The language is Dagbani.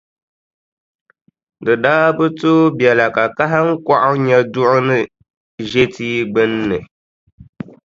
Di daa bi tooi biɛla ka kahiŋkɔɣu nya duɣu ni ʒe tia gbunni,